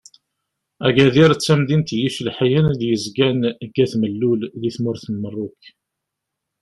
Agadir d tamdint n yicelḥiyen i d-yezgan deg At Mellul di tmurt n Merruk.